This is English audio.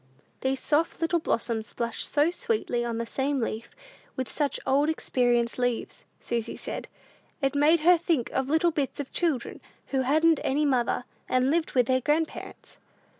These soft little blossoms blushed so sweetly on the same leaf with such old experienced leaves! Susy said, "it made her think of little bits of children who hadn't any mother, and lived with their grandparents."